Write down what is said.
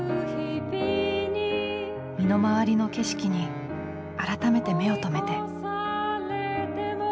身の回りの景色に改めて目を留めて。